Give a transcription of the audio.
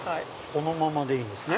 このままでいいんですね。